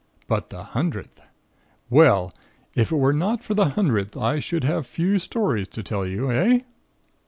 But the hundredth! Well, if it were not for the hundredth, I should have few stories to tell you eh?